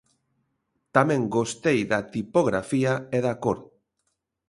Tamén gostei da tipografía e da cor.